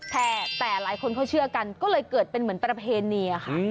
แต่หลายคนเขาเชื่อกันก็เลยเกิดเป็นเหมือนประเพณีค่ะ